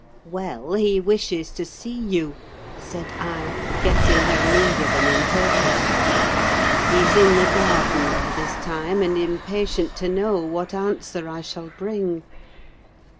"Well, he wishes to see you," said I, guessing her need of an interpreter. "He's in the garden by this time, and impatient to know what answer I shall bring."